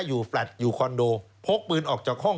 แฟลตอยู่คอนโดพกปืนออกจากห้อง